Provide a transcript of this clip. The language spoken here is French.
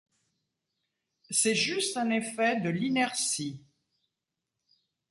C’est juste un effet de l’inertie.